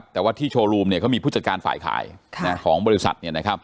แต่ว่าที่โชว์รูมเขามีผู้จัดการฝ่ายขายของบริษัท